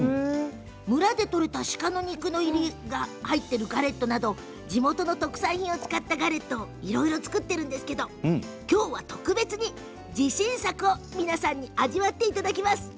村でとれた鹿の肉入りのガレットなど地元の特産品を使ったガレットをいろいろ作っているんですけど今日は特別に、自信作を皆さんに味わっていただきます。